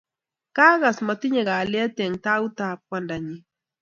kigaas matinye kalyet eng tautab kwandanyi